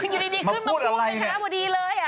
อยู่ดีขึ้นมาพูดเป็นคณะบดีเลย